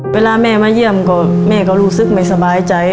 เวลาแม่มาเยี่ยมก็แม่ก็รู้สึกไม่สบายใจ